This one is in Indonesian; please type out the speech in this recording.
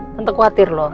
tante khawatir loh